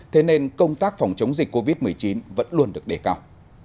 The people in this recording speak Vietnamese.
thế nên công tác phòng chống dịch covid một mươi chín vẫn luôn được đề cao